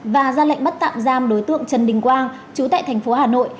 và ra lệnh bắt tạm giam đối tượng trần đình quang chú tại thành phố hà nội